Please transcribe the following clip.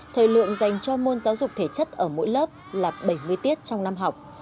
thời lượng dành cho môn giáo dục thể chất ở mỗi lớp là bảy mươi tiết trong năm học